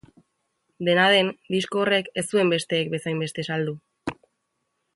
Dena den, disko horrek ez zuen besteek bezain beste saldu.